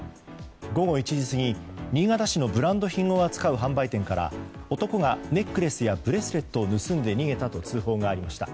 午後１時過ぎ、新潟市のブランド品を扱う販売店から男がネックレスやブレスレットを盗んで逃げたと通報がありました。